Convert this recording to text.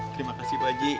terima kasih pak haji